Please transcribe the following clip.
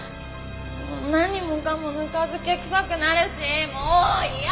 何もかもぬか漬け臭くなるしもう嫌！